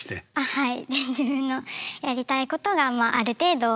はい。